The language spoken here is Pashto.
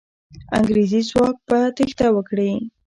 انګریزي ځواک به تېښته وکړي.